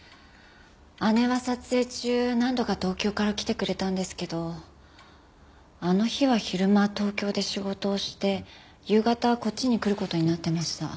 姉は撮影中何度か東京から来てくれたんですけどあの日は昼間東京で仕事をして夕方こっちに来る事になってました。